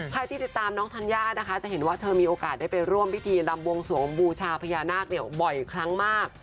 ที่ติดตามน้องธัญญานะคะจะเห็นว่าเธอมีโอกาสได้ไปร่วมพิธีลำบวงสวงบูชาพญานาคเนี่ยบ่อยครั้งมาก